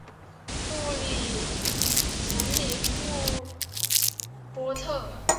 什里夫波特。